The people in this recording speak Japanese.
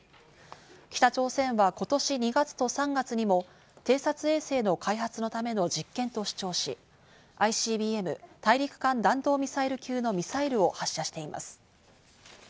北朝鮮は今年２月と３月にも偵察衛星の開発のための実験と主張し、ＩＣＢＭ＝大陸間弾道ミサイル級のミサイルを発射しています。